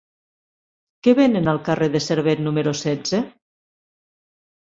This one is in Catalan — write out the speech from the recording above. Què venen al carrer de Servet número setze?